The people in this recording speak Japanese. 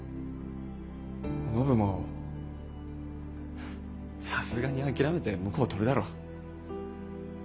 お信もさすがに諦めて婿を取るだろ。